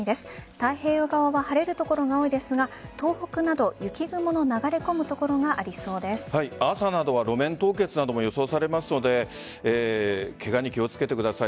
太平洋側は晴れる所が多いですが東北など雪雲の朝などは路面凍結なども予想されますのでケガに気をつけてください。